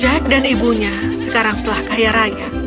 jack dan ibunya sekarang telah kaya raya